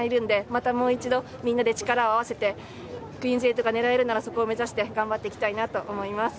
もう一度みんなで力を合わせて、クイーンズ８を狙えるなら力を合わせて頑張っていきたいなと思います。